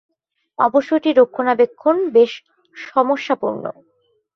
অবশ্য এটির রক্ষণাবেক্ষণ বেশ সমস্যাপূর্ণ।